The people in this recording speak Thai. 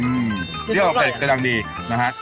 อืมเที่ยวขาวเผ็ดก็ดังดีนะฮะ